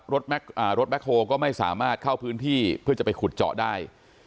รถแม็กอ่ารถแม็กโฮล์ก็ไม่สามารถเข้าพื้นที่เพื่อจะไปขุดเจาะได้